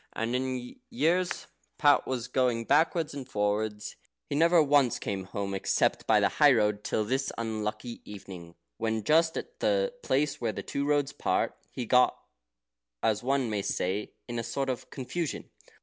And in all the years Pat was going backwards and forwards, he never once came home except by the high road till this unlucky evening, when, just at the place where the two roads part, he got, as one may say, into a sort of confusion.